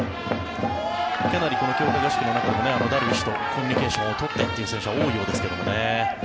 かなり強化合宿の中でもダルビッシュとコミュニケーションを取ってという選手は多いようですがね。